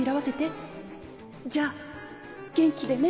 じゃあ元気でね」